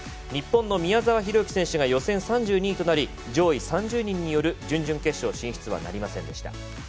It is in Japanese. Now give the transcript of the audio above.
日本の宮沢大志選手が予選３２位となり上位３０人による準々決勝進出はなりませんでした。